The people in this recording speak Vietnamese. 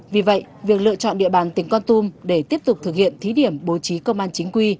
vì vậy việc lựa chọn địa bàn tỉnh con tum để tiếp tục thực hiện thí điểm bố trí công an chính quy